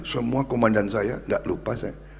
semua komandan saya gak lupa